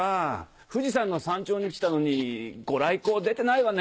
富士山の山頂に来たのに御来光出てないわね。